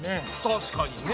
確かにね。